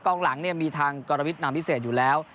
องหลังเนี่ยมีทางกรวิทนามพิเศษอยู่แล้ว